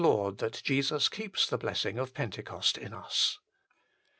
Lord that Jesus keeps the blessing of Pentecost in us.